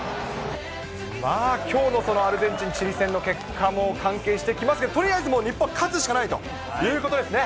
まあ、きょうのそのアルゼンチン、チリ戦の結果も関係してきますけど、とりあえず日本は勝つしかないということですね。